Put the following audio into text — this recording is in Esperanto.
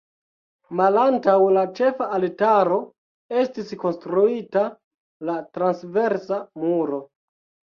Malantaŭ la ĉefa altaro estis konstruita la transversa muro.